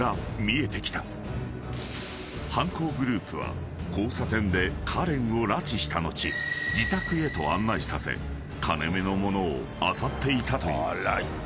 ［犯行グループは交差点でカレンを拉致した後自宅へと案内させ金目のものをあさっていたという］